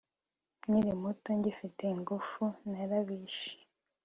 nkiri muto, ngifite ingufu, narabish